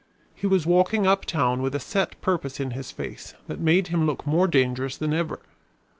He was walking up town with a set purpose in his face that made him look more dangerous than ever.